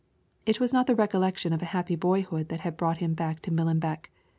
It was not the recollection of a happy boyhood that had brought him back to Millenbeck.